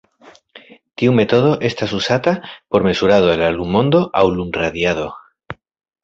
Tiu metodo estas uzata por mezurado de la lum-ondo aŭ lum-radiado.